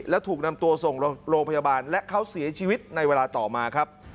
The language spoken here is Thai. และถูกนำตัวส่งโรงพยาบาลและเขาเสียชีวิตในเวลาต่อมาครับ